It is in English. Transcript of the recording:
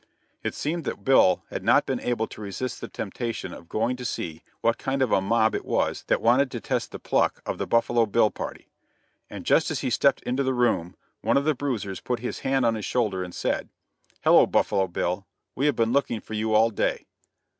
It seemed that Bill had not been able to resist the temptation of going to see what kind of a mob it was that wanted to test the pluck of the Buffalo Bill party; and just as he stepped into the room, one of the bruisers put his hand on his shoulder and said: "Hello, Buffalo Bill! we have been looking for you all day."